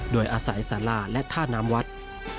โดยอาศัยศาลาคมและท่านามวัฒน์